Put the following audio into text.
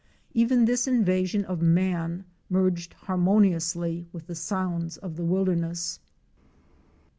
Even this invasion 'of man merged harmoniously with the sounds of the wilderness.